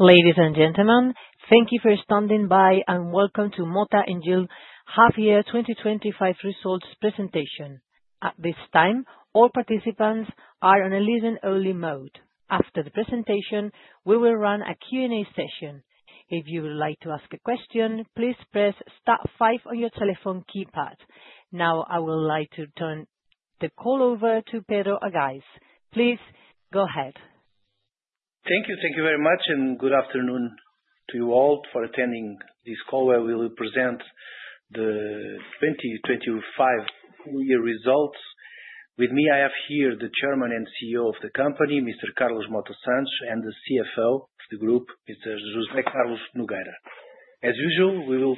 Ladies and gentlemen, thank you for standing by, and welcome to Mota-Engil half year 2025 Results Presentation. At this time, all participants are on a listen only mode. After the presentation, we will run a Q&A session. If you would like to ask a question, please press star five on your telephone keypad. Now I would like to turn the call over to Pedro Arrais. Please go ahead. Thank you. Thank you very much good afternoon to you all for attending this call where we will present the 2025 full year results. With me, I have here the Chairman and CEO of the company, Mr. Carlos Mota Santos, and the CFO of the group, Mr. José Carlos Nogueira. As usual,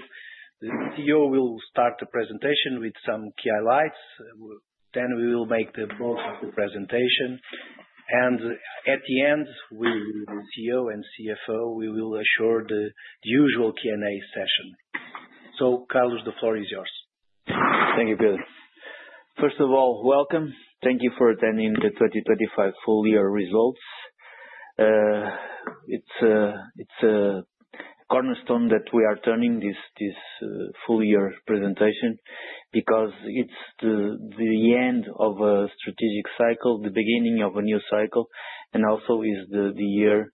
the CEO will start the presentation with some key highlights, then we will make the board presentation at the end the CEO and CFO will assure the usual Q&A session. Carlos, the floor is yours. Thank you, Pedro. First of all, welcome. Thank you for attending the 2025 full year results. It's a cornerstone that we are turning this full year presentation because it's the end of a strategic cycle, the beginning of a new cycle and also is the year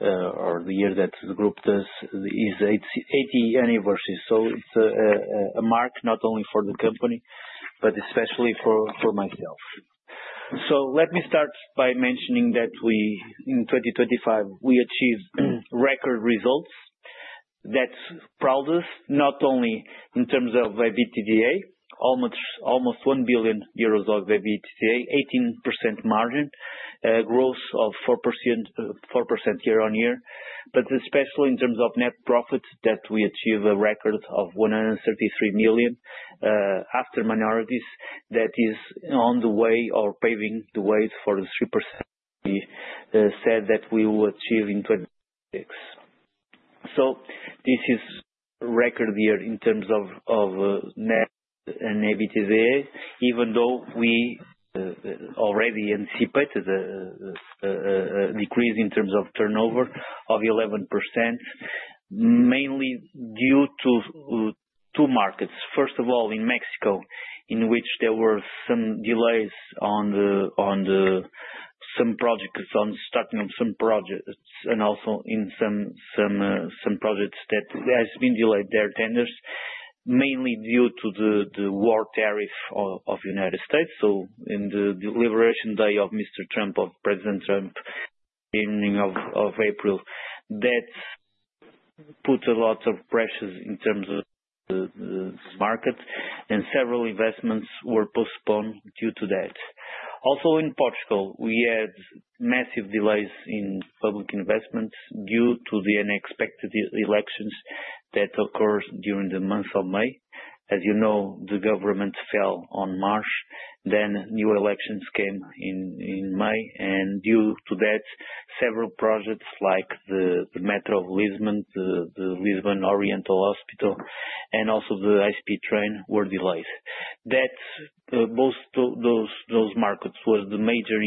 or the year that the group does its 80th anniversary. It's a mark not only for the company, but especially for myself. Let me start by mentioning that we, in 2025 we achieved record results that's proudest not only in terms of EBITDA, almost 1 billion euros of EBITDA, 18% margin, growth of 4% year-on-year. Especially in terms of net profits that we achieve a record of 133 million after minorities that is on the way or paving the way for the 3% we said that we will achieve in 2026. This is record year in terms of net and EBITDA even though we already anticipated a decrease in terms of turnover of 11%, mainly due to two markets. First of all, in Mexico, in which there were some delays on some projects on starting up some projects and also in some projects that has been delayed their tenders mainly due to the war tariff of United States. In the Liberation Day of Mr. President Trump beginning of April, that put a lot of pressures in terms of the market several investments were postponed due to that. In Portugal we had massive delays in public investments due to the unexpected elections that occurs during the month of May. As you know, the government fell on March, new elections came in May. Due to that several projects like the Metro of Lisbon, the Lisbon Oriental Hospital and also the high-speed train were delayed. That's both those markets was the major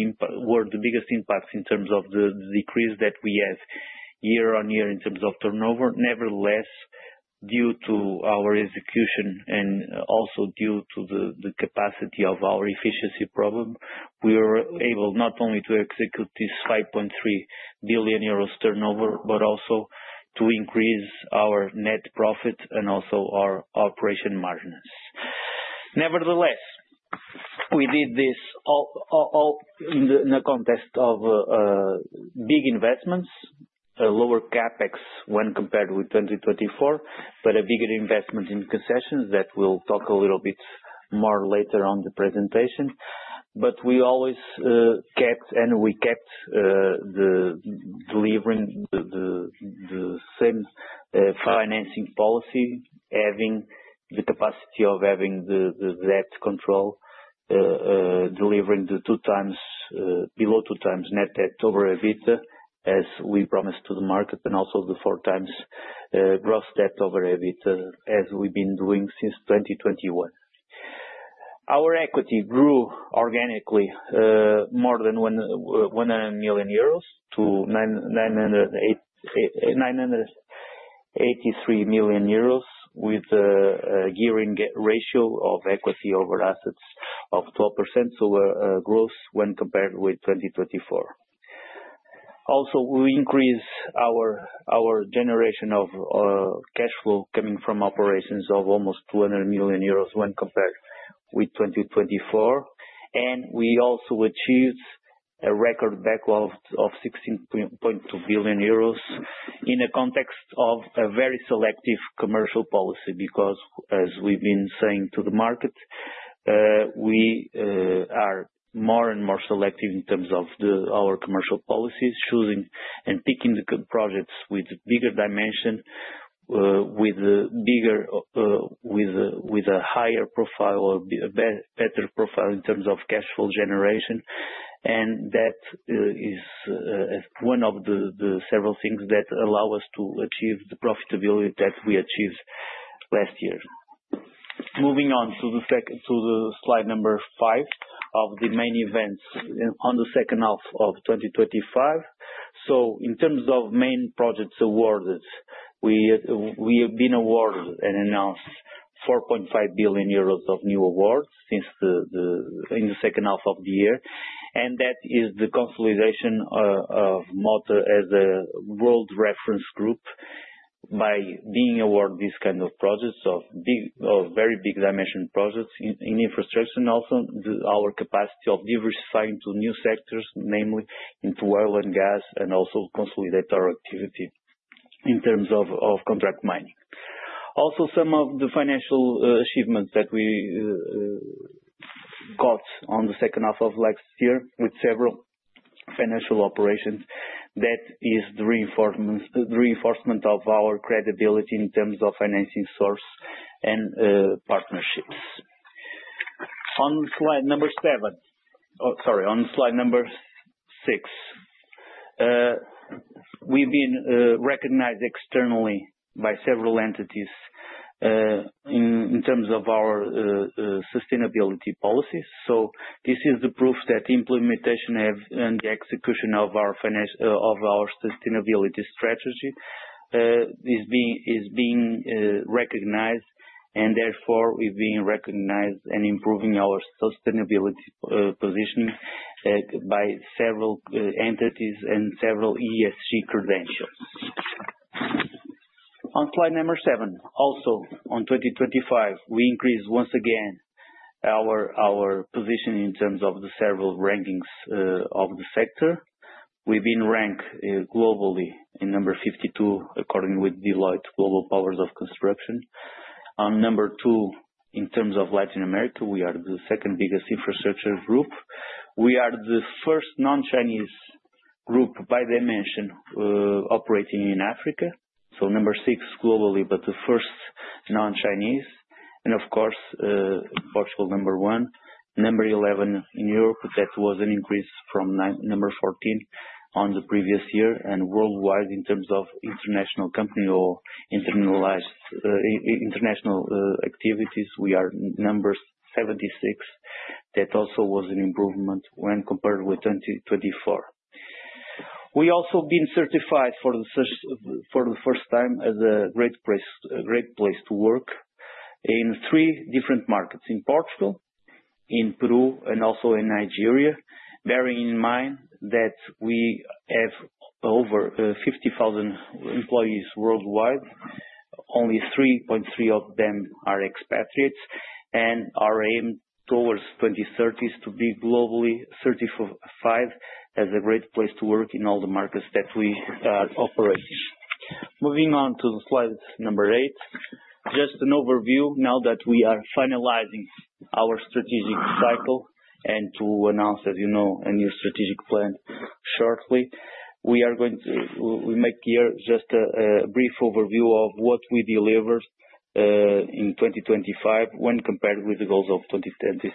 were the biggest impacts in terms of the decrease that we had year-on-year in terms of turnover. Due to our execution and also due to the capacity of our efficiency problem, we were able not only to execute this 5.3 billion euros turnover, but also to increase our net profit and also our operation margins. We did this all in the context of big investments, a lower CapEx when compared with 2024, but a bigger investment in concessions that we'll talk a little bit more later on the presentation. We always kept delivering the same financing policy, having the capacity of having the debt control, delivering the 2x, below 2x net debt over EBIT, as we promised to the market and also the 4xA gross debt over EBIT, as we've been doing since 2021. Our equity grew organically more than 100 million euros to 983 million euros with a gearing ratio of equity over assets of 12% over growth when compared with 2024. Also, we increase our generation of cash flow coming from operations of almost 200 million euros when compared with 2024. We also achieved a record backlog of 16.2 billion euros in a context of a very selective commercial policy because as we've been saying to the market, we are more and more selective in terms of our commercial policies, choosing and picking the good projects with bigger dimension, with bigger, with a higher profile or better profile in terms of cash flow generation. That is one of the several things that allow us to achieve the profitability that we achieved last year. Moving on to the slide number 5 of the main events in, on the second half of 2025. In terms of main projects awarded, we have been awarded and announced 4.5 billion euros of new awards since the in the second half of the year. That is the consolidation of Mota as a world reference group by being awarded this kind of projects of very big dimension projects in infrastructure and also our capacity of diversifying to new sectors, namely into oil and gas, and also consolidate our activity in terms of contract mining. Some of the financial achievements that we got on the second half of last year with several financial operations. That is the reinforcement of our credibility in terms of financing source and partnerships. On slide number six. We've been recognized externally by several entities in terms of our sustainability policies. This is the proof that the implementation of and the execution of our sustainability strategy is being recognized, and therefore we're being recognized and improving our sustainability position by several entities and several ESG credentials. On slide number seven. In 2025, we increased once again our position in terms of the several rankings of the sector. We've been ranked, globally in number 52, according with Deloitte Global Powers of Construction. Number 2, in terms of Latin America, we are the second biggest infrastructure group. We are the first non-Chinese group by dimension, operating in Africa. Number 6 globally, but the first non-Chinese and of course, Portugal Number 1. Number 11 in Europe, that was an increase from nine, number 14 on the previous year. Worldwide in terms of international company or internalized, international activities, we are 76. That also was an improvement when compared with 2024. We also been certified for the such, for the first time as a Great Place to Work in three different markets: in Portugal, in Peru, and also in Nigeria. Bearing in mind that we have over, 50,000 employees worldwide. Only 3.3 of them are expatriates, and our aim towards 2030 is to be globally certified as a Great Place to Work in all the markets that we operate. Moving on to slide number 8. Just an overview now that we are finalizing our strategic cycle and to announce, as you know, a new strategic plan shortly. We make here just a brief overview of what we delivered in 2025 when compared with the goals of 2026.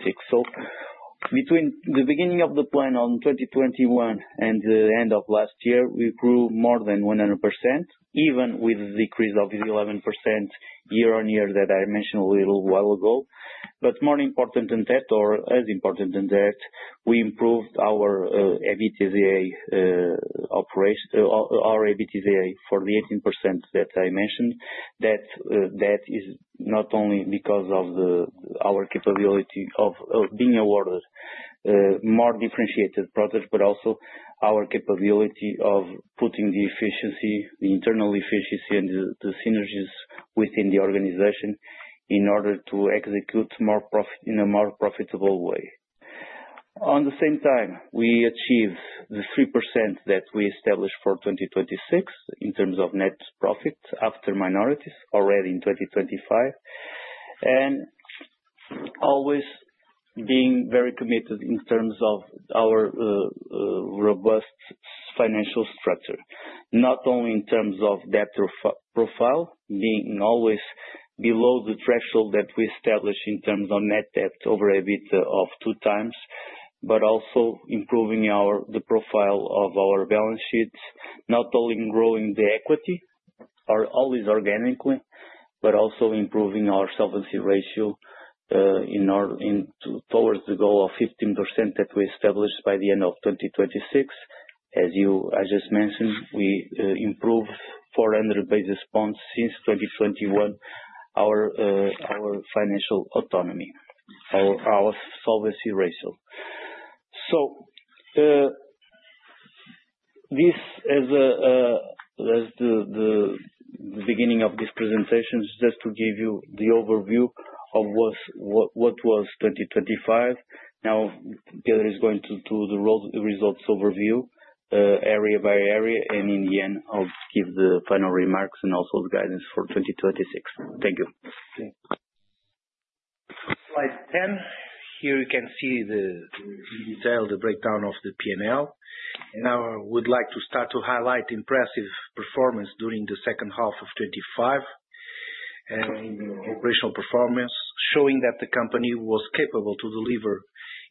Between the beginning of the plan on 2021 and the end of last year, we grew more than 100%, even with the decrease of 11% year-on-year that I mentioned a little while ago. More important than that, or as important than that, we improved our EBITDA operation, our EBITDA for the 18% that I mentioned. That is not only because of our capability of being awarded more differentiated projects, but also our capability of putting the efficiency, the internal efficiency and the synergies within the organization in order to execute in a more profitable way. At the same time, we achieved the 3% that we established for 2026 in terms of net profit after minorities already in 2025. Always being very committed in terms of our robust financial structure. Not only in terms of debt profile, being always below the threshold that we established in terms of net debt over EBIT of 2x, but also improving the profile of our balance sheets. Not only in growing the equity are always organically, but also improving our solvency ratio towards the goal of 15% that we established by the end of 2026. As you, I just mentioned, we improved 400 basis points since 2021, our financial autonomy, our solvency ratio. This is the beginning of this presentation, just to give you the overview of what was 2025. Gabriel is going to do the results overview, area by area, and in the end, I'll give the final remarks and also the guidance for 2026. Thank you. Slide 10. Here you can see the detail, the breakdown of the P&L. Now I would like to start to highlight impressive performance during the second half of 25 and operational performance, showing that the company was capable to deliver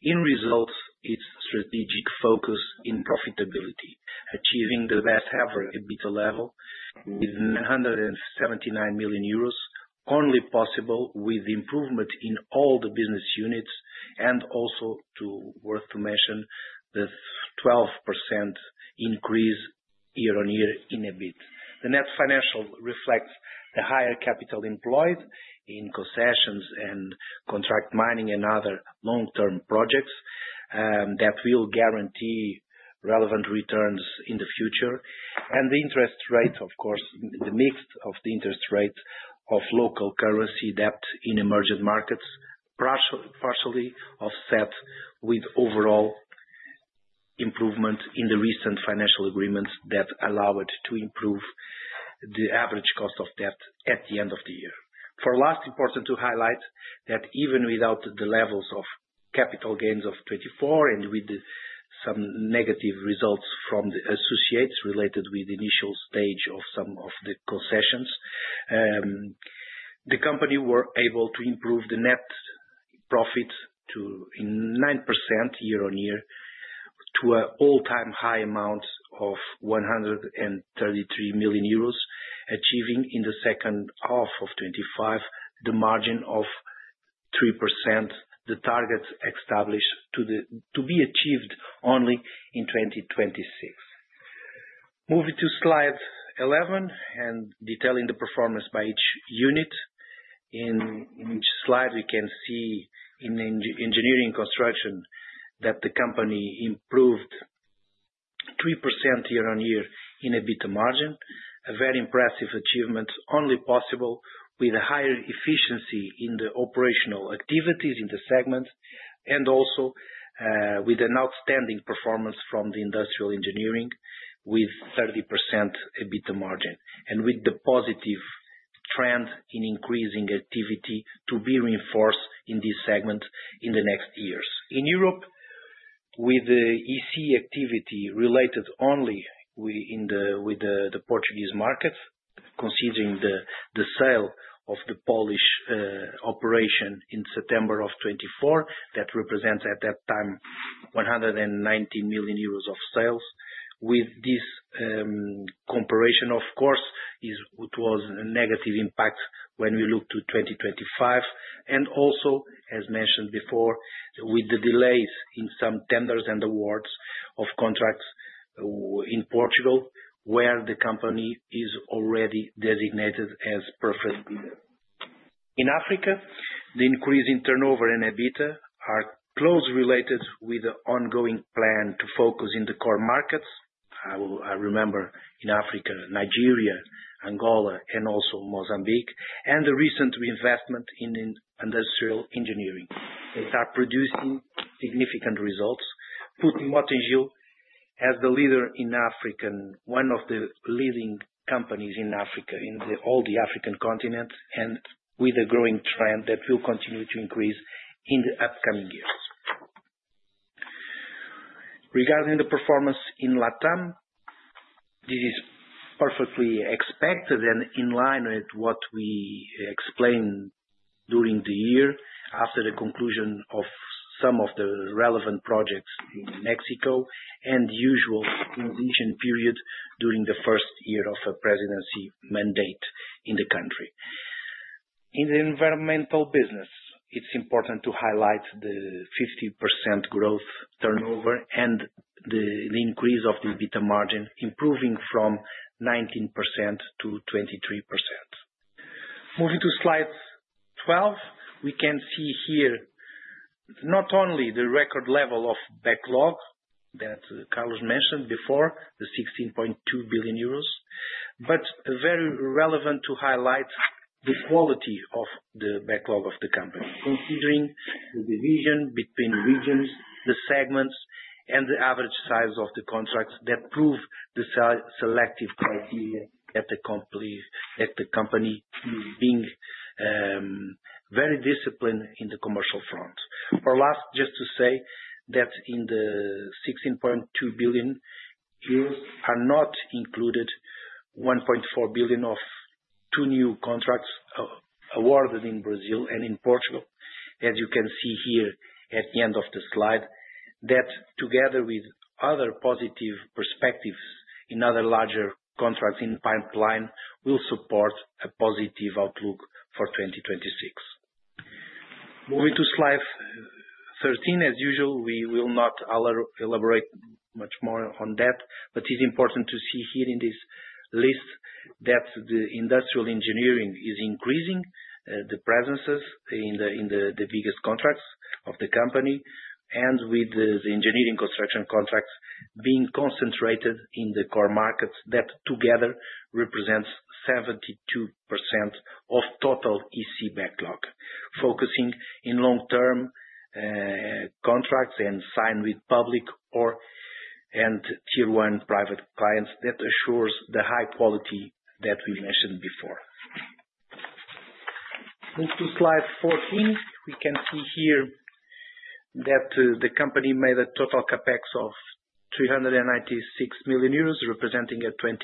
in results its strategic focus in profitability. Achieving the best ever EBITDA level is 979 million euros, only possible with improvement in all the business units. Also to worth to mention the 12% increase year-on-year in EBIT. The net financial reflects the higher capital employed in concessions and contract mining and other long-term projects that will guarantee relevant returns in the future. The interest rate, of course, the mix of the interest rate of local currency debt in emerging markets, partially offset with overall improvement in the recent financial agreements that allow it to improve the average cost of debt at the end of the year. For last, important to highlight that even without the levels of capital gains of 2024 and with some negative results from the associates related with the initial stage of some of the concessions, the company were able to improve the net profit to in 9% year-on-year to all-time high amounts of 133 million euros. Achieving in the second half of 2025, the margin of 3%, the targets established to be achieved only in 2026. Moving to slide 11 and detailing the performance by each unit. In which slide we can see in engineering construction that the company improved 3% year-on-year in a better margin. A very impressive achievement, only possible with a higher efficiency in the operational activities in the segment. Also, with an outstanding performance from the industrial engineering with 30% EBITDA margin, with the positive trend in increasing activity to be reinforced in this segment in the next years. In Europe, with the EC activity related only with the Portuguese market, considering the sale of the Polish operation in September of 2024. That represents at that time 190 million euros of sales. With this comparison, of course, it was a negative impact when we look to 2025. As mentioned before, with the delays in some tenders and awards of contracts in Portugal, where the company is already designated as preferred bidder. In Africa, the increase in turnover and EBITDA are closely related with the ongoing plan to focus in the core markets. I remember in Africa, Nigeria, Angola, and also Mozambique, and the recent reinvestment in industrial engineering that are producing significant results. Putting Mota-Engil as one of the leading companies in Africa, in the African continent, and with a growing trend that will continue to increase in the upcoming years. Regarding the performance in Latam, this is perfectly expected and in line with what we explained during the year, after the conclusion of some of the relevant projects in Mexico and usual transition period during the first year of a presidency mandate in the country. In the environmental business, it's important to highlight the 50% growth turnover and the increase of the EBITDA margin, improving from 19% to 23%. Moving to slide 12. We can see here not only the record level of backlog that Carlos mentioned before, the 16.2 billion euros. Very relevant to highlight the quality of the backlog of the company, considering the division between regions, the segments and the average size of the contracts that prove the selective criteria at the company being very disciplined in the commercial front. For last, just to say that in the 16.2 billion euros are not included 1.4 billion of two new contracts awarded in Brazil and in Portugal. As you can see here at the end of the slide, that together with other positive perspectives in other larger contracts in pipeline, will support a positive outlook for 2026. Moving to slide 13. As usual, we will not elaborate much more on that, but it's important to see here in this list that the industrial engineering is increasing the presences in the, in the biggest contracts of the company. With the engineering construction contracts being concentrated in the core markets that together represents 72% of total EC backlog. Focusing in long-term contracts and signed with public or, and tier one private clients that assures the high quality that we mentioned before. Move to slide 14. We can see here that the company made a total CapEx of 396 million euros, representing a 22%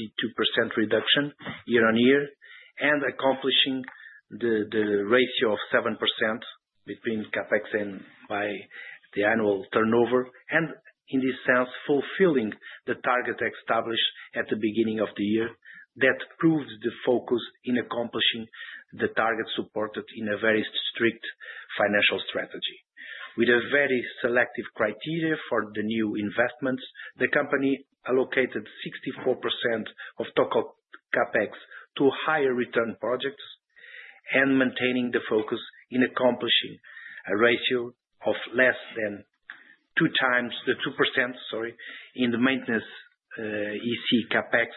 reduction year-on-year and accomplishing the ratio of 7% between CapEx and by the annual turnover, in this sense, fulfilling the target established at the beginning of the year that proved the focus in accomplishing the target supported in a very strict financial strategy. With a very selective criteria for the new investments, the company allocated 64% of total CapEx to higher return projects, maintaining the focus in accomplishing a ratio of less than 2x the 2%, sorry, in the maintenance EC CapEx.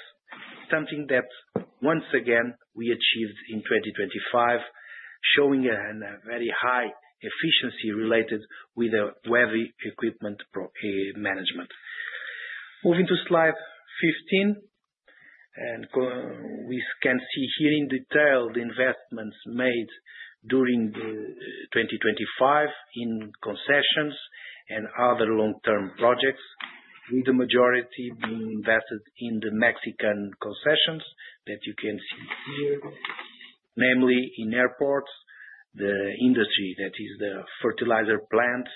Something that once again, we achieved in 2025, showing a very high efficiency related with a heavy equipment management. Moving to slide 15, we can see here in detail the investments made during 2025 in concessions and other long-term projects, with the majority being invested in the Mexican concessions that you can see here. Mainly in airports, the industry, that is the fertilizer plant,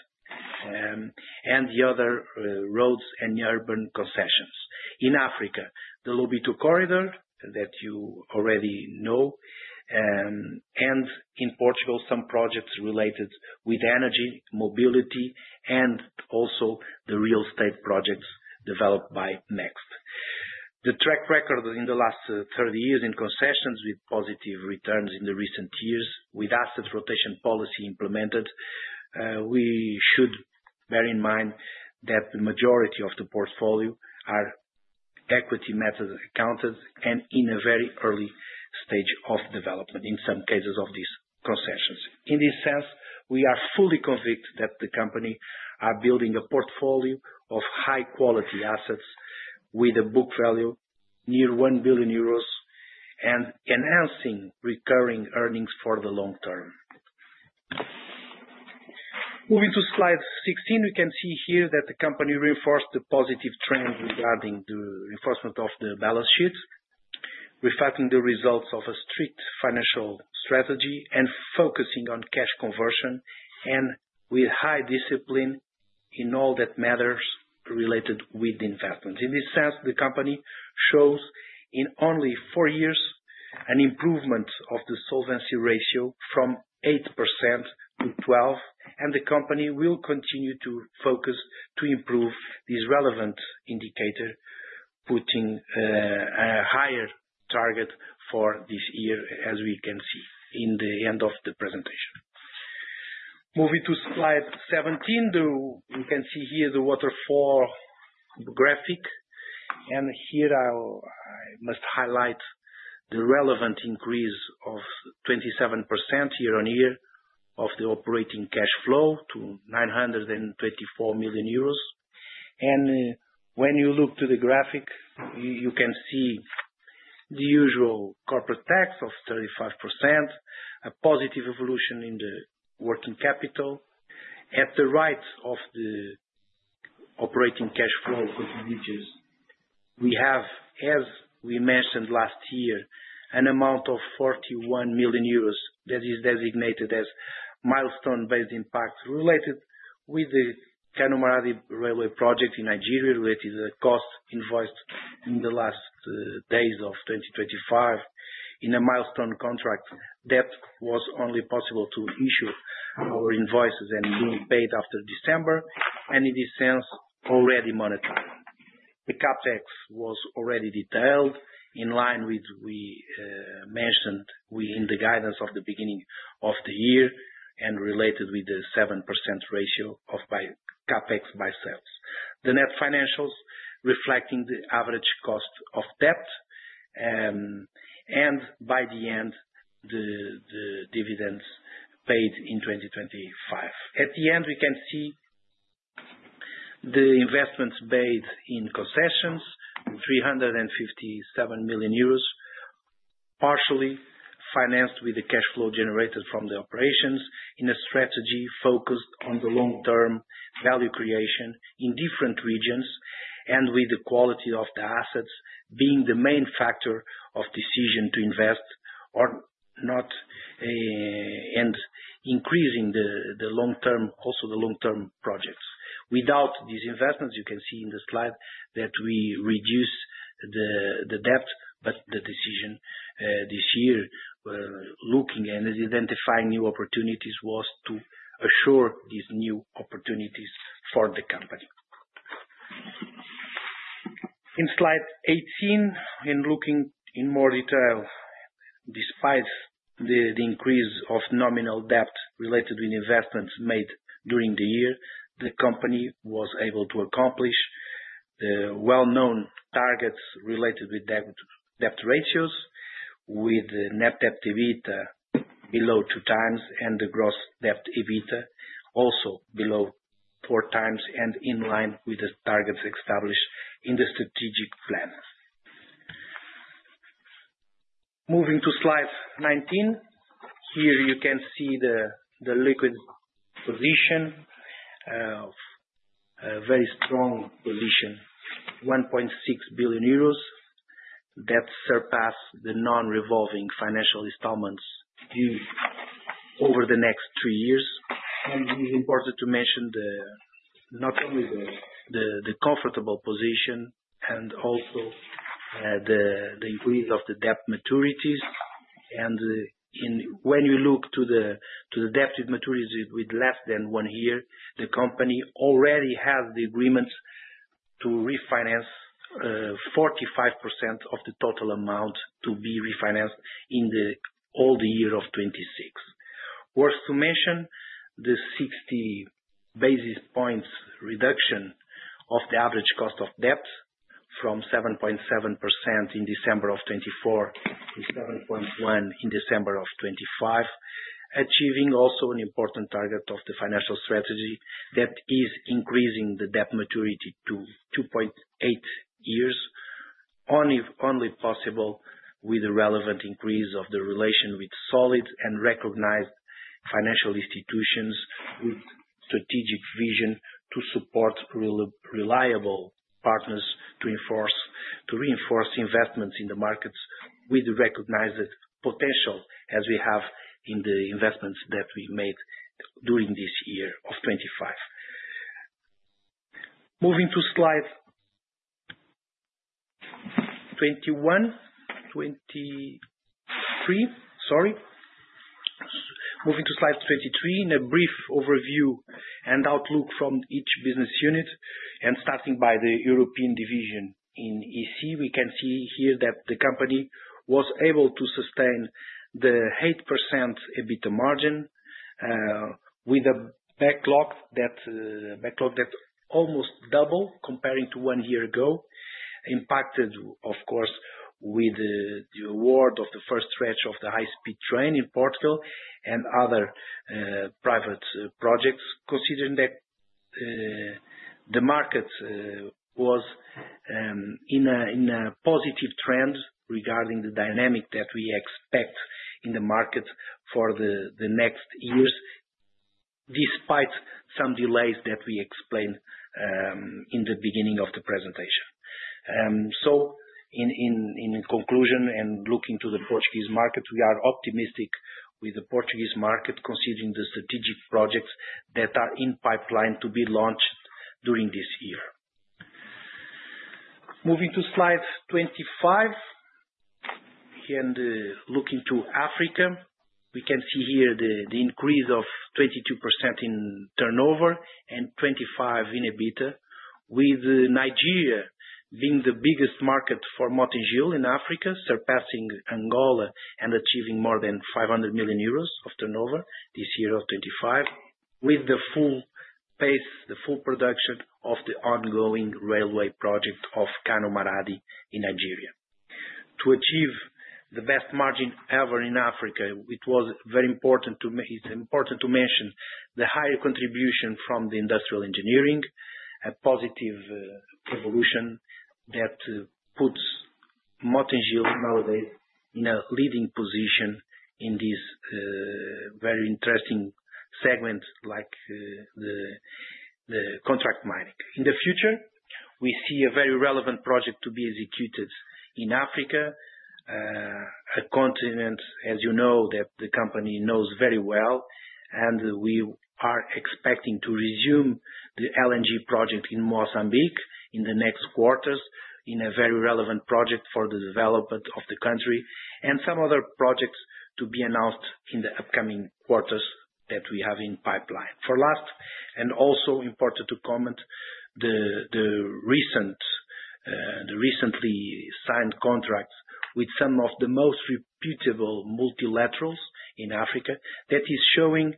and the other roads and urban concessions. In Africa, the Lobito Corridor that you already know, and in Portugal, some projects related with energy, mobility, and also the real estate projects developed by Mota-Engil Next. The track record in the last 30 years in concessions with positive returns in the recent years, with assets rotation policy implemented, we should bear in mind that the majority of the portfolio are equity method accounted and in a very early stage of development, in some cases of these concessions. In this sense, we are fully convinced that the company are building a portfolio of high quality assets with a book value near 1 billion euros and enhancing recurring earnings for the long term. Moving to slide 16, we can see here that the company reinforced the positive trend regarding the reinforcement of the balance sheets, reflecting the results of a strict financial strategy and focusing on cash conversion and with high discipline in all that matters related with the investment. In this sense, the company shows in only four years an improvement of the solvency ratio from 8% to 12%. The company will continue to focus to improve this relevant indicator, putting a higher target for this year, as we can see in the end of the presentation. Moving to slide 17, you can see here the waterfall graphic. Here I'll, I must highlight the relevant increase of 27% year-over-year of the operating cash flow to 924 million euros. When you look to the graphic, you can see the usual corporate tax of 35%, a positive evolution in the working capital. At the right of the operating cash flow continuities, we have, as we mentioned last year, an amount of 41 million euros that is designated as milestone-based impact related with the Kano-Maradi railway project in Nigeria, which is a cost invoiced in the last days of 2025 in a milestone contract that was only possible to issue our invoices and being paid after December, and in this sense, already monitored. The CapEx was already detailed in line with we mentioned in the guidance of the beginning of the year and related with the 7% ratio of by CapEx by sales. The net financials reflecting the average cost of debt, by the end, the dividends paid in 2025. At the end, we can see the investments made in concessions, 357 million euros, partially financed with the cash flow generated from the operations in a strategy focused on the long-term value creation in different regions, and with the quality of the assets being the main factor of decision to invest or not, and increasing the long-term, also the long-term projects. Without these investments, you can see in the slide that we reduced the debt, but the decision this year, looking and identifying new opportunities was to assure these new opportunities for the company. In slide 18, in looking in more detail, despite the increase of nominal debt related with investments made during the year, the company was able to accomplish the well-known targets related with debt ratios, with net debt EBITDA below 2x and the gross debt EBITDA also below 4x and in line with the targets established in the strategic plans. Moving to slide 19. Here you can see the liquid position, a very strong position, 1.6 billion euros. That surpass the non-revolving financial installments due over the next two years. It is important to mention the, not only the comfortable position and also, the increase of the debt maturities. When you look to the, to the debt with maturities with less than one year, the company already has the agreements to refinance, 45% of the total amount to be refinanced in all the year of 2026. Worth to mention, the 60 basis points reduction of the average cost of debt from 7.7% in December of 2024 to 7.1% in December of 2025. Achieving also an important target of the financial strategy that is increasing the debt maturity to 2.8 years, only possible with the relevant increase of the relation with solids and recognized financial institutions with strategic vision to support reliable partners to reinforce investments in the markets with the recognized potential as we have in the investments that we made during this year of 2025. Moving to slide 21, 23, sorry. Moving to slide 23, in a brief overview and outlook from each business unit, and starting by the European division. In EC, we can see here that the company was able to sustain the 8% EBITDA margin, with a backlog that almost double comparing to 1 year ago, impacted, of course, with the award of the first stretch of the high-speed train in Portugal and other private projects. Considering that the market was in a positive trend regarding the dynamic that we expect in the market for the next years, despite some delays that we explained in the beginning of the presentation. In conclusion, looking to the Portuguese market, we are optimistic with the Portuguese market considering the strategic projects that are in pipeline to be launched during this year. Moving to slide 25 and looking to Africa. We can see here the increase of 22% in turnover and 25% in EBITDA. With Nigeria being the biggest market for Mota-Engil in Africa, surpassing Angola and achieving more than 500 million euros of turnover this year of 2025. With the full pace, the full production of the ongoing railway project of Kano-Maradi in Nigeria. To achieve the best margin ever in Africa, it's important to mention the higher contribution from the industrial engineering, a positive evolution that puts Mota-Engil nowadays in a leading position in this very interesting segment like the contract mining. In the future, we see a very relevant project to be executed in Africa, a continent, as you know, that the company knows very well. We are expecting to resume the LNG project in Mozambique in the next quarters, in a very relevant project for the development of the country. Some other projects to be announced in the upcoming quarters that we have in pipeline. For last, and also important to comment, the recent, recently signed contracts with some of the most reputable multilaterals in Africa. That is showing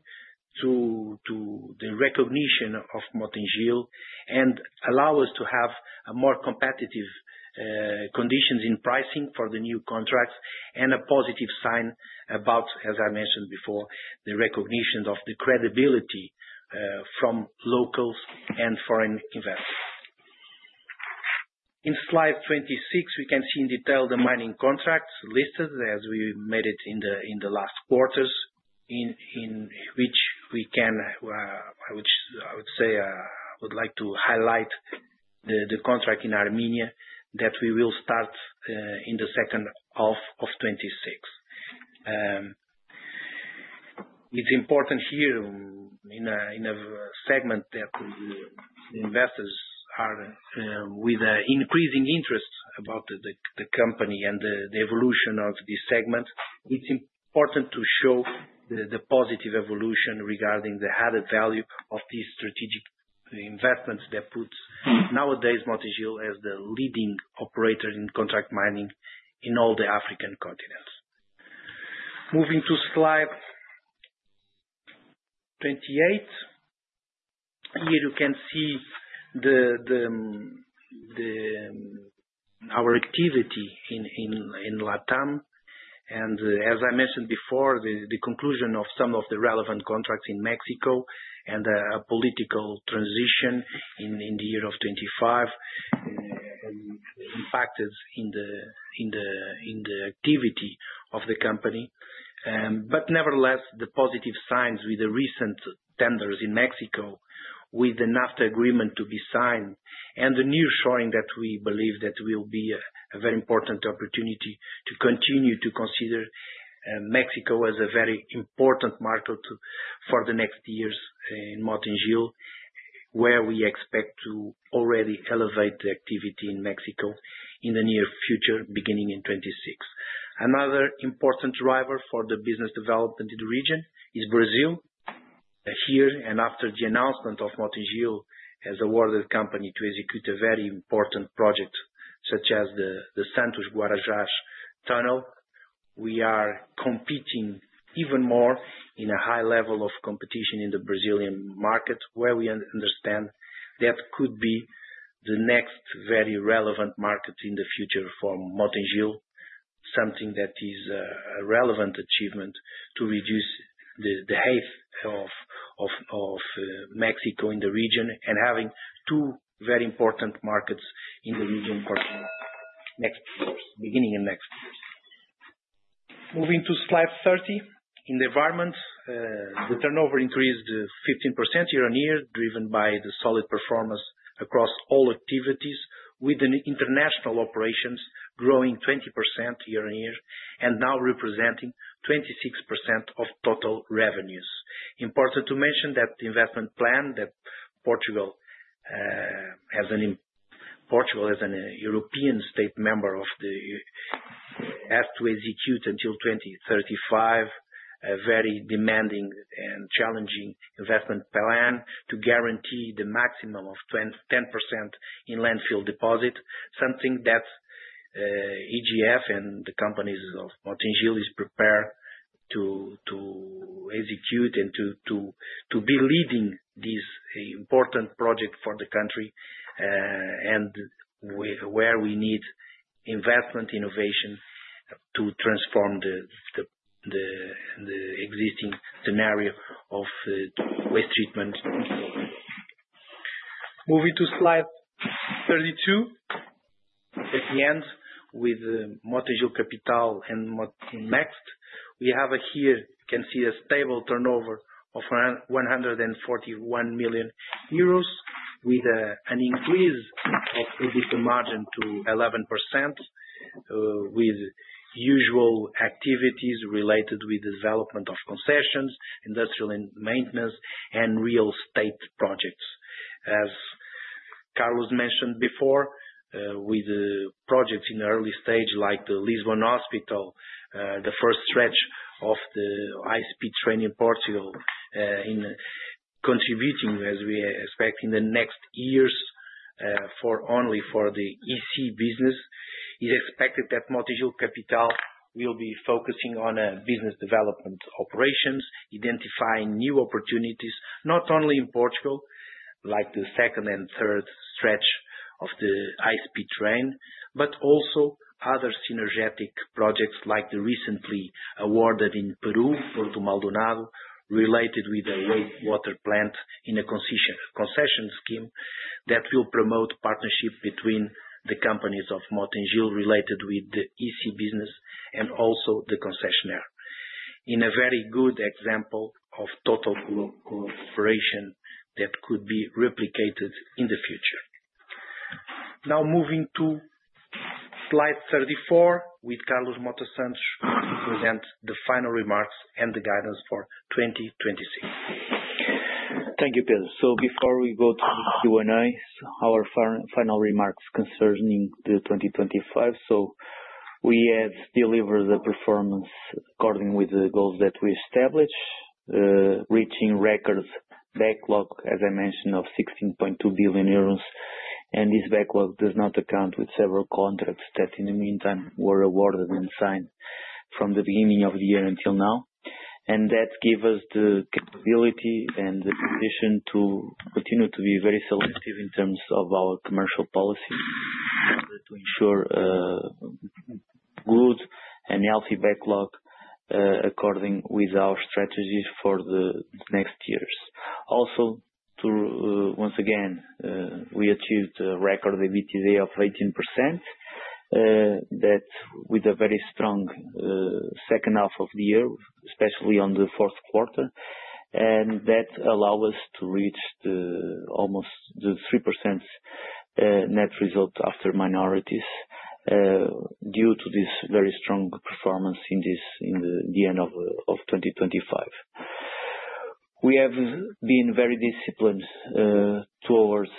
to the recognition of Mota-Engil and allow us to have a more competitive conditions in pricing for the new contracts and a positive sign about, as I mentioned before, the recognition of the credibility from locals and foreign investors. In slide 26, we can see in detail the mining contracts listed as we made it in the last quarters. In which we can, which I would say, I would like to highlight the contract in Armenia that we will start in the second half of 2026. It's important here in a segment that the investors are with an increasing interest about the company and the evolution of this segment. It's important to show the positive evolution regarding the added value of these strategic investments that puts nowadays Mota-Engil as the leading operator in contract mining in all the African continents. Moving to slide 28. Here you can see the activity in Latam. As I mentioned before, the conclusion of some of the relevant contracts in Mexico, a political transition in the year of 25, impacted in the activity of the company. Nevertheless, the positive signs with the recent tenders in Mexico, with the NAFTA agreement to be signed and the new showing that we believe that will be a very important opportunity to continue to consider Mexico as a very important market for the next years in Mota-Engil, where we expect to already elevate the activity in Mexico in the near future, beginning in 26. Another important driver for the business development in the region is Brazil. Here, after the announcement of Mota-Engil as awarded company to execute a very important project such as the Santos-Guarujá Tunnel. We are competing even more in a high level of competition in the Brazilian market, where we understand that could be the next very relevant market in the future for Mota-Engil. Something that is a relevant achievement to reduce the height of Mexico in the region and having two very important markets in the region beginning in next years. Moving to slide 30. In the environment, the turnover increased 15% year-over-year, driven by the solid performance across all activities, with the international operations growing 20% year-over-year and now representing 26% of total revenues. Important to mention that the investment plan that Portugal, as an European state member of the EU, has to execute until 2035 a very demanding and challenging investment plan to guarantee the maximum of 10% in landfill deposit. Something that EGF and the companies of Mota-Engil is prepared to execute and to be leading this important project for the country, and where we need investment innovation to transform the existing scenario of waste treatment. Moving to slide 32. At the end with Mota-Engil Capital and Mota-Engil Next. We have here, you can see a stable turnover of 141 million euros with an increase of EBITDA margin to 11% with usual activities related with development of concessions, industrial and maintenance and real estate projects. As Carlos mentioned before, with the projects in the early stage like the Lisbon Hospital, the first stretch of the high-speed train in Portugal, in contributing as we expect in the next years, for only for the EC business, is expected that Mota-Engil Capital will be focusing on business development operations, identifying new opportunities, not only in Portugal, like the second and third stretch of the high-speed train, but also other synergetic projects like the recently awarded in Peru, Puerto Maldonado, related with the wastewater plant in a concession scheme that will promote partnership between the companies of Mota-Engil related with the EC business and also the concessionaire. In a very good example of total collaboration that could be replicated in the future. Now moving to slide 34, with Carlos Mota Santos to present the final remarks and the guidance for 2026. Thank you, Pedro. Before we go to the Q&A, our final remarks concerning the 2025. We have delivered the performance according with the goals that we established, reaching records backlog, as I mentioned, of 16.2 billion euros. This backlog does not account with several contracts that, in the meantime, were awarded and signed from the beginning of the year until now. That give us the capability and the position to continue to be very selective in terms of our commercial policy to ensure good and healthy backlog according with our strategies for the next years. Also to, once again, we achieved a record EBITDA of 18%, that with a very strong second half of the year, especially on the fourth quarter. That allow us to reach the almost the 3% net result after minorities due to this very strong performance in this, in the end of 2025. We have been very disciplined regarding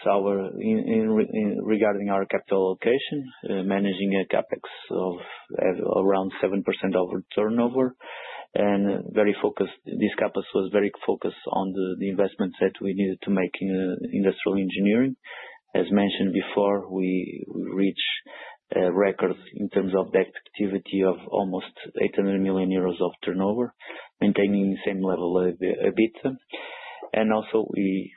our capital allocation, managing a CapEx of around 7% of turnover. This CapEx was very focused on the investments that we needed to make in industrial engineering. As mentioned before, we reached a record in terms of activity of almost 800 million euros of turnover, maintaining the same level of EBITDA. Also we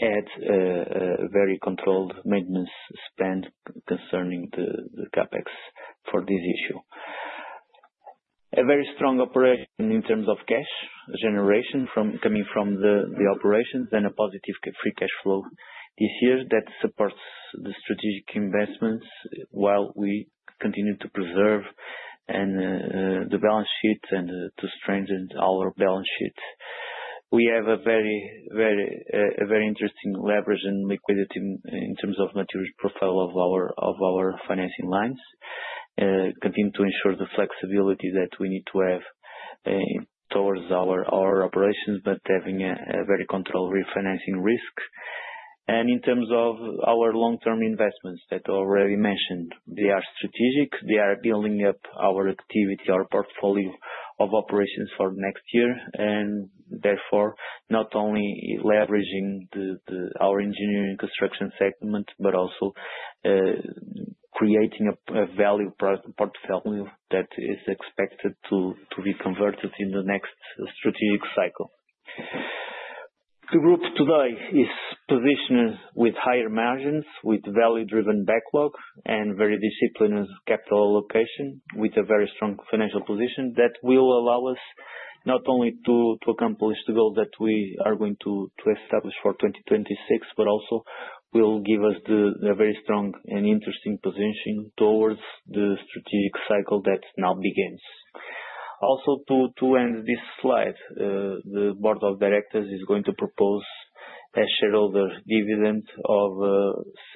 had a very controlled maintenance spend concerning the CapEx for this issue. A very strong operation in terms of cash generation from, coming from the operations and a positive free cash flow this year that supports the strategic investments while we continue to preserve and the balance sheet and to strengthen our balance sheet. We have a very interesting leverage and liquidity in terms of material profile of our financing lines. Continue to ensure the flexibility that we need to have towards our operations, but having a very controlled refinancing risk. In terms of our long-term investments that already mentioned, they are strategic, they are building up our activity, our portfolio of operations for next year, and therefore, not only leveraging our engineering construction segment, but also creating a value pro-portfolio that is expected to be converted in the next strategic cycle. The group today is positioned with higher margins, with value-driven backlogs and very disciplined capital allocation, with a very strong financial position that will allow us not only to accomplish the goal that we are going to establish for 2026, but also will give us a very strong and interesting positioning towards the strategic cycle that now begins. To end this slide, the board of directors is going to propose a shareholder dividend of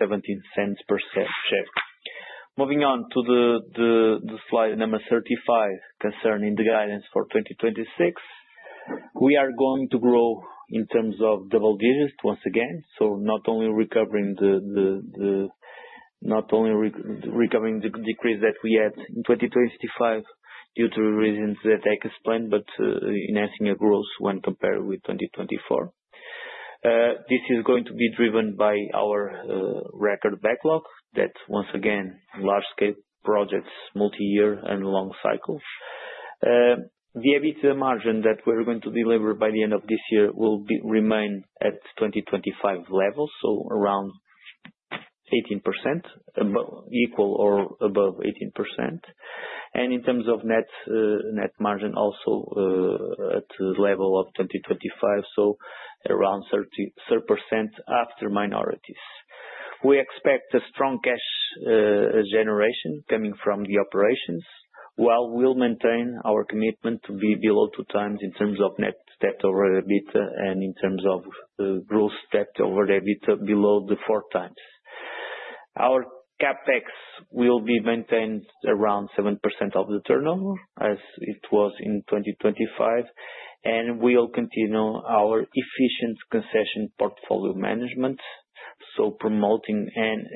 0.17 per share. Moving on to the slide number 35 concerning the guidance for 2026. We are going to grow in terms of double digits once again. Not only recovering the decrease that we had in 2025 due to reasons that I explained, but enhancing a growth when compared with 2024. This is going to be driven by our record backlog that once again, large scale projects, multi-year and long cycles. The EBITDA margin that we're going to deliver by the end of this year will remain at 2025 levels, so around 18%, equal or above 18%. In terms of net net margin also at level of 2025, so around 30% after minorities. We expect a strong cash generation coming from the operations, while we'll maintain our commitment to be below 2x in terms of net debt over EBITDA and in terms of growth debt over the EBITDA below the 4x. Our CapEx will be maintained around 7% of the turnover, as it was in 2025. We'll continue our efficient concession portfolio management, promoting and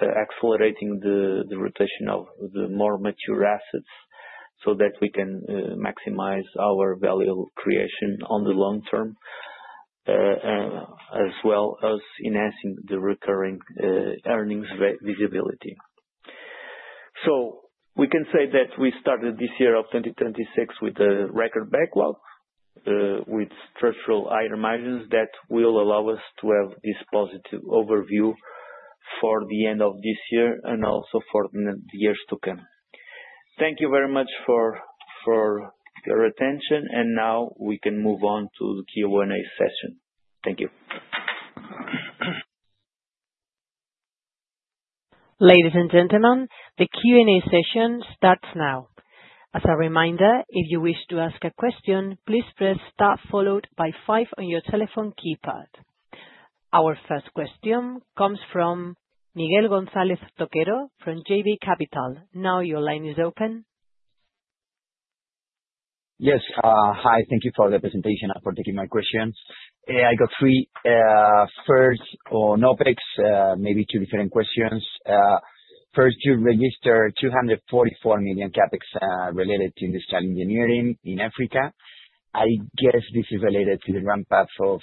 accelerating the rotation of the more mature assets so that we can maximize our value creation on the long term, as well as enhancing the recurring earnings visibility. We can say that we started this year of 2026 with a record backlog, with structural higher margins that will allow us to have this positive overview for the end of this year and also for the years to come. Thank you very much for your attention. Now we can move on to the Q&A session. Thank you. Ladies and gentlemen, the Q&A session starts now. As a reminder, if you wish to ask a question, please press star followed by 5 on your telephone keypad. Our first question comes from Miguel González Toquero from JB Capital. Now your line is open. Yes. Hi, thank you for the presentation and for taking my question. I got three. First on CapEx, maybe two different questions. First you register 244 million CapEx, related to industrial engineering in Africa. I guess this is related to the ramp up of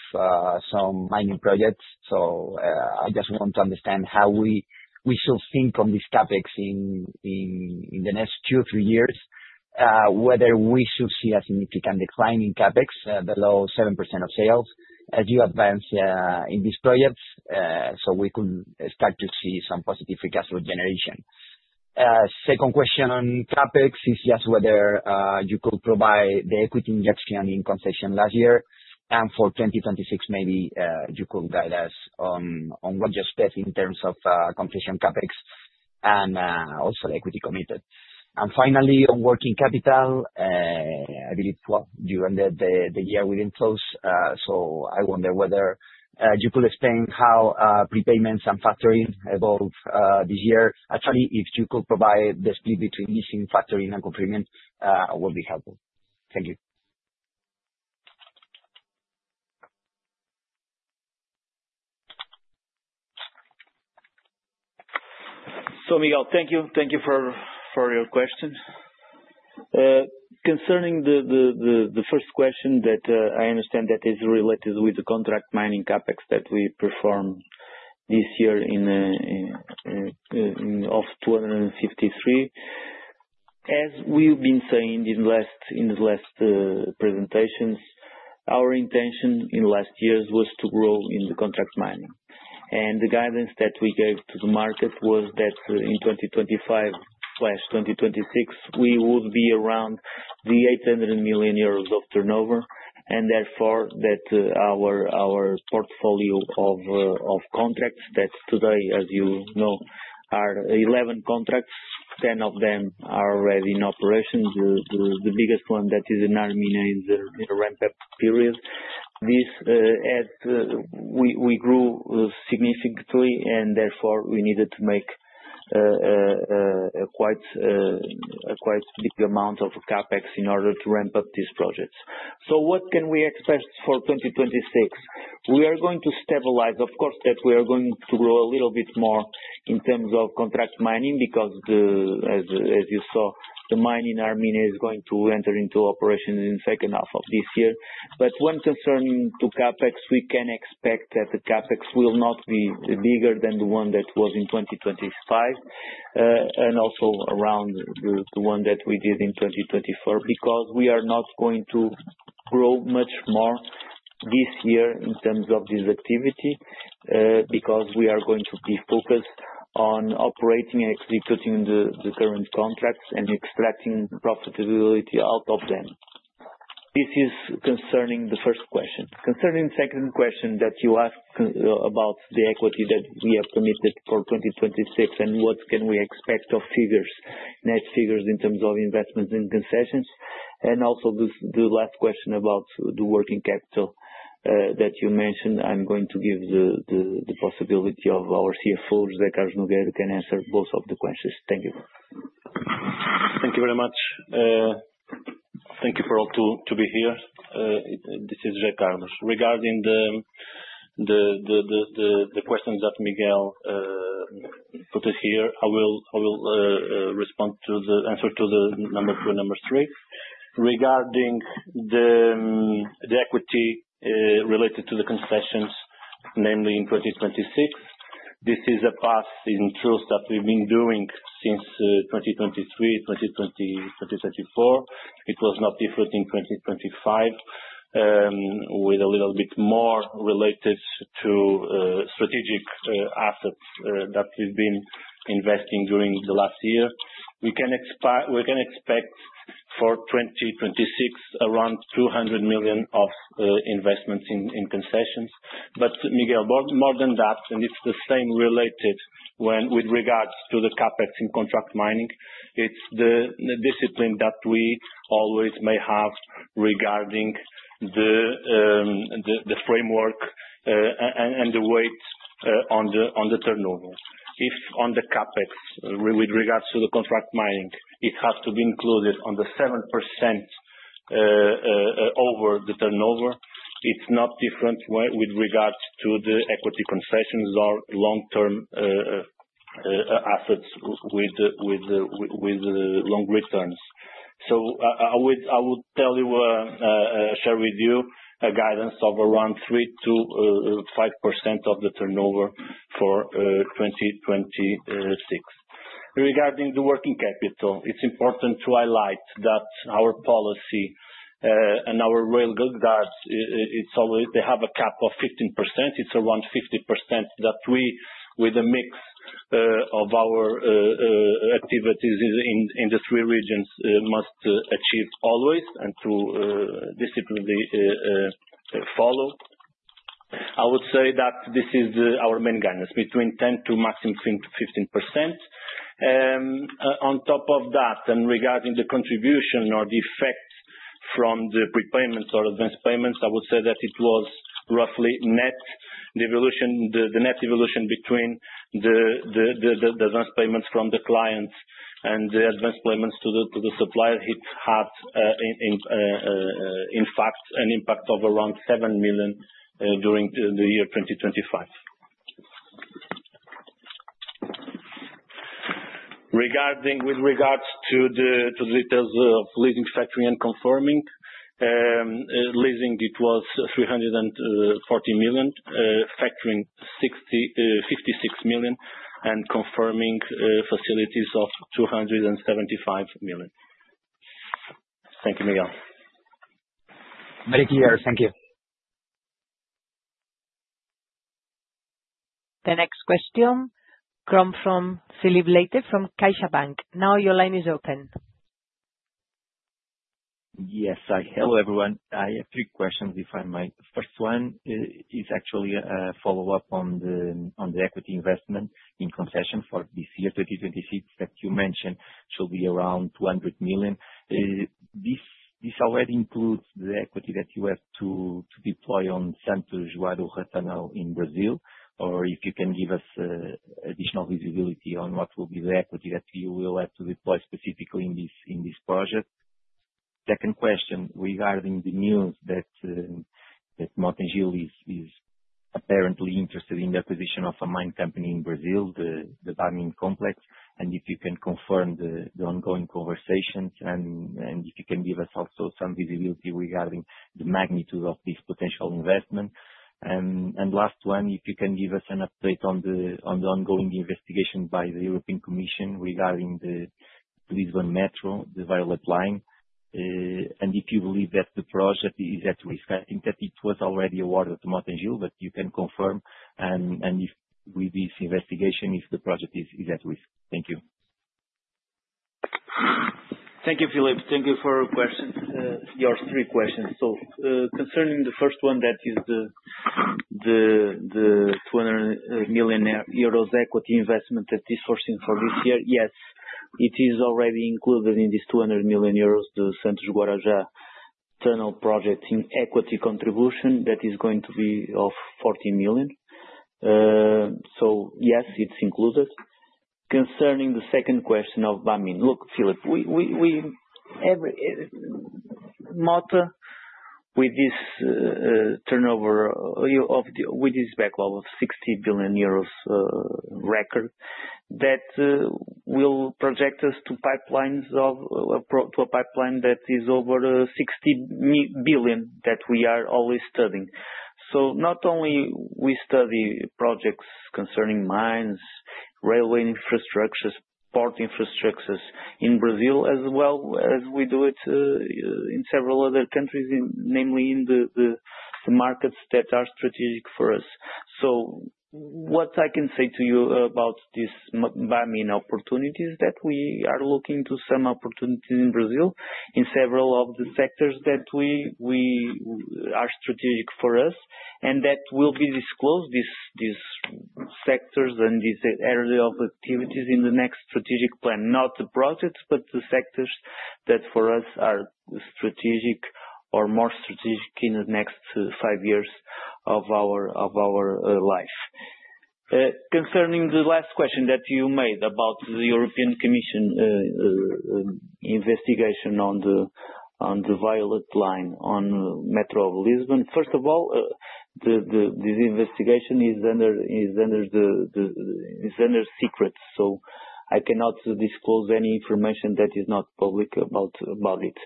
some mining projects. I just want to understand how we should think on this CapEx in the next two, three years, whether we should see a significant decline in CapEx below 7% of sales as you advance in these projects, so we could start to see some positive free cash flow generation. Second question on CapEx is just whether you could provide the equity injection in concession last year and for 2026, maybe you could guide us on what's your step in terms of completion CapEx and also the equity committed. Finally on working capital, I believe what you ended the year within close. So I wonder whether you could explain how prepayments and factoring evolved this year. Actually, if you could provide the split between leasing, factoring and complement, will be helpful. Thank you. Miguel, thank you. Thank you for your questions. Concerning the first question that I understand that is related with the contract mining CapEx that we performed this year of 253. As we've been saying in the last presentations, our intention in the last years was to grow in the contract mining. The guidance that we gave to the market was that in 2025/2026 we would be around 800 million euros of turnover, our portfolio of contracts that today, as you know, are 11 contracts, 10 of them are already in operation. The biggest one that is in Armenia is in a ramp-up period. This, as we grew significantly and therefore we needed to make a quite big amount of CapEx in order to ramp up these projects. What can we expect for 2026? We are going to stabilize, of course, that we are going to grow a little bit more in terms of contract mining because as you saw, the mine in Armenia is going to enter into operation in second half of this year. When concerning to CapEx, we can expect that the CapEx will not be bigger than the one that was in 2025, and also around the one that we did in 2024. We are not going to grow much more this year in terms of this activity, because we are going to be focused on operating and executing the current contracts and extracting profitability out of them. This is concerning the first question. Concerning second question that you asked about the equity that we have committed for 2026 and what can we expect of figures, net figures in terms of investments in concessions, and also the last question about the working capital that you mentioned, I'm going to give the possibility of our CFO, José Carlos Nogueira, can answer both of the questions. Thank you. Thank you very much. Thank you for all to be here. This is José Carlos. Regarding the questions that Miguel put it here, I will respond to the answer to the number 2 and number 3. Regarding the equity related to the concessions, namely in 2026, this is a path in truth that we've been doing since 2023, 2024. It was not different in 2025, with a little bit more related to strategic assets that we've been investing during the last year. We can expect for 2026 around 200 million of investments in concessions. Miguel, more than that, and it's the same related when with regards to the CapEx in contract mining, it's the discipline that we always may have regarding the framework and the weights on the turnovers. If on the CapEx, with regards to the contract mining, it has to be included on the 7% over the turnover. It's not different with regards to the equity concessions or long-term assets with the long returns. I would tell you, share with you a guidance of around 3%-5% of the turnover for 2026. Regarding the working capital, it's important to highlight that our policy, and our rail good guards, it's always they have a cap of 15%. It's around 50% that we, with a mix of our activities in the three regions, must achieve always and to discipline the follow. I would say that this is our main guidance, between 10% to maximum 15%. On top of that, regarding the contribution or the effect from the prepayments or advanced payments, I would say that it was roughly net devolution, the net devolution between the advanced payments from the clients and the advanced payments to the supplier. It had in fact an impact of around 7 million during the year 2025. With regards to the details of leasing, factoring, and confirming, leasing it was 340 million, factoring 56 million, and confirming facilities of 275 million. Thank you, Miguel. Thank you. Thank you. The next question come from Filipe Leite from CaixaBank. your line is open. Yes. Hi. Hello, everyone. I have three questions, if I might. First one, is actually a follow-up on the equity investment in concession for this year, 2026, that you mentioned should be around 200 million. This already includes the equity that you have to deploy on Santos-Guarujá Tunnel in Brazil, or if you can give us additional visibility on what will be the equity that you will have to deploy specifically in this project? Second question, regarding the news that Mota-Engil is apparently interested in the acquisition of a mine company in Brazil, the Bamin complex, and if you can confirm the ongoing conversations and if you can give us also some visibility regarding the magnitude of this potential investment? Last one, if you can give us an update on the ongoing investigation by the European Commission regarding the Lisbon Metro, the Violet Line. If you believe that the project is at risk? I think that it was already awarded to Mota-Engil, you can confirm and if with this investigation, if the project is at risk. Thank you. Thank you, Filipe. Thank you for your question. Your three questions. Concerning the first one, that is the 200 million euros equity investment that is sourcing for this year. Yes, it is already included in this 200 million euros, the Santos-Guarujá Tunnel Project in equity contribution that is going to be of 40 million. Yes, it's included. Concerning the second question of Bamin. Look, Filipe, we Every Mota-Engil with this turnover with this backlog of 60 billion euros record that will project us to pipelines to a pipeline that is over 60 billion that we are always studying. Not only we study projects concerning mines, railway infrastructures, port infrastructures in Brazil as well as we do it in several other countries, namely in the markets that are strategic for us. What I can say to you about this Bamin opportunity is that we are looking to some opportunity in Brazil in several of the sectors that we are strategic for us and that will be disclosed these sectors and these area of activities in the next strategic plan. Not the projects, but the sectors that for us are strategic or more strategic in the next five years of our life. Concerning the last question that you made about the European Commission investigation on the violet line on Metro of Lisbon. First of all, the investigation is under secret. I cannot disclose any information that is not public about it.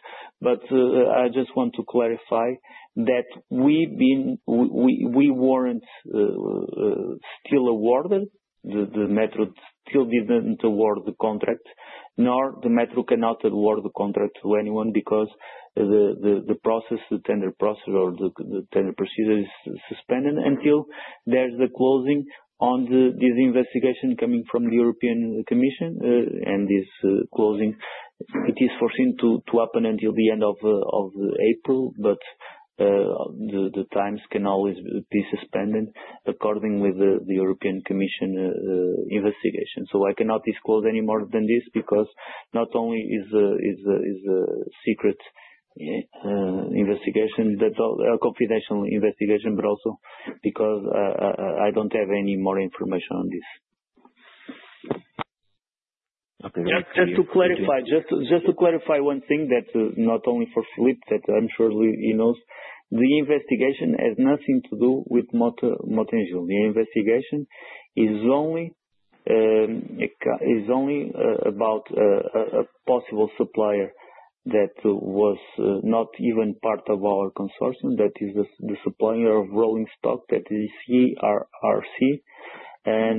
I just want to clarify that We weren't still awarded, the Metro still didn't award the contract, nor the Metro cannot award the contract to anyone because the process, the tender process or the tender procedure is suspended until there's the closing on this investigation coming from the European Commission. This closing, it is foreseen to happen until the end of April. The times can always be suspended according with the European Commission investigation. I cannot disclose any more than this because not only is a secret investigation that's a confidential investigation, but also because I don't have any more information on this. Okay. Thank you. Just to clarify. Just to clarify one thing that not only for Filipe, that I'm sure he knows. The investigation has nothing to do with Mota-Engil. The investigation is only about a possible supplier that was not even part of our consortium. That is the supplier of rolling stock that is CRRC.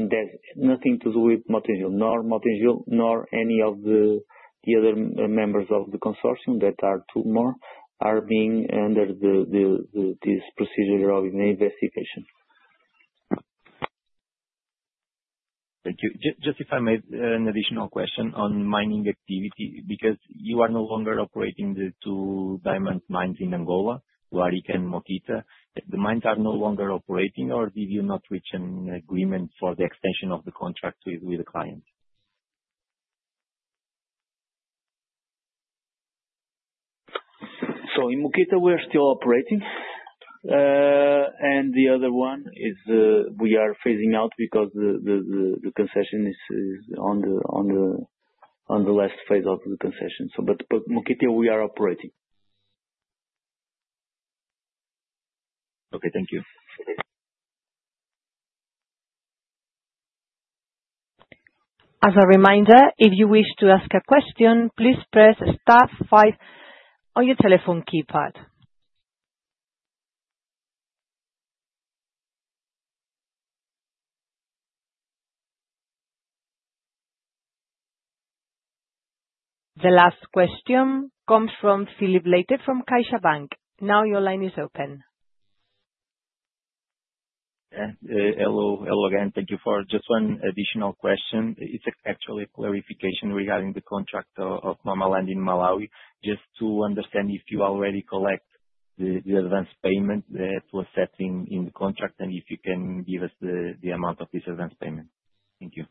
That's nothing to do with Mota-Engil, nor Mota-Engil, nor any of the other members of the consortium that are two more are being under this procedure of an investigation. Thank you. Just if I may, an additional question on mining activity, because you are no longer operating the two diamond mines in Angola, Luele and Catoca. The mines are no longer operating, or did you not reach an agreement for the extension of the contract with the client? In Catoca we're still operating. The other one is we are phasing out because the concession is on the last phase of the concession. But Catoca we are operating. Okay. Thank you. Okay. As a reminder, if you wish to ask a question, please press star five on your telephone keypad. The last question comes from Filipe Leite from CaixaBank. Now your line is open. Yeah. Hello. Hello again. Thank you for... Just one additional question. It's actually a clarification regarding the contract of Mamaland in Malawi. Just to understand if you already collect the advanced payment that was set in the contract and if you can give us the amount of this advanced payment? Thank you.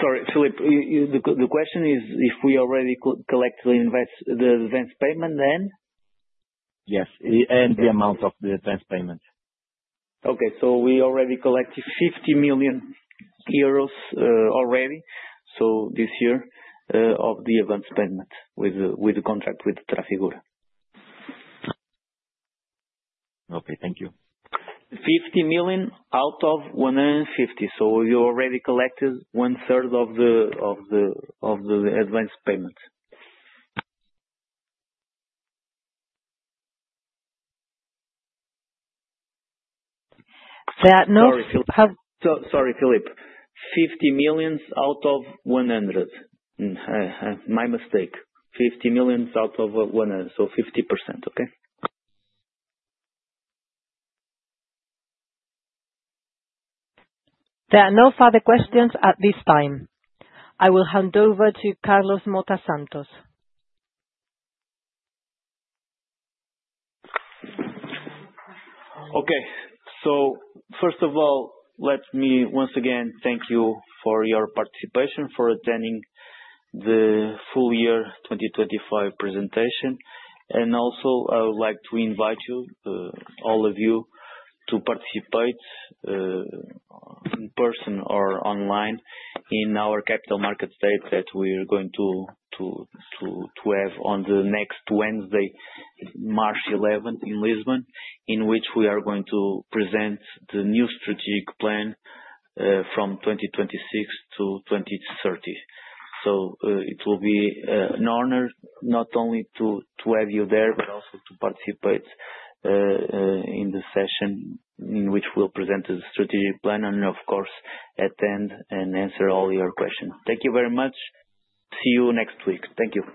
Sorry. The question is if we already collect the advanced payment then? Yes. The amount of the advanced payment. Okay. We already collected 50 million euros, already. This year, of the advanced payment with the contract with Trafigura. Okay. Thank you. 50 million out of 150 million. You already collected one-third of the advanced payment. There are no fur- Sorry, Filipe. 50 million out of 100. My mistake. 50 million out of 100. 50%. Okay. There are no further questions at this time. I will hand over to Carlos Mota Santos. Okay. First of all, let me once again thank you for your participation for attending the full year 2025 presentation. Also I would like to invite you, all of you to participate in person or online in our Capital Market Day that we're going to have on the next Wednesday, March 11th in Lisbon. In which we are going to present the new strategic plan from 2026 to 2030. It will be an honor not only to have you there, but also to participate in the session in which we'll present the strategic plan and of course attend and answer all your questions. Thank you very much. See you next week. Thank you.